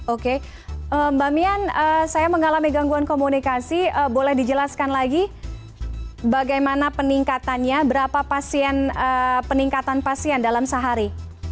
oke mbak mian saya mengalami gangguan komunikasi boleh dijelaskan lagi bagaimana peningkatannya berapa pasien peningkatan pasien dalam sehari